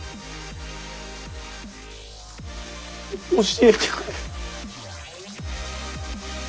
教えてくれ。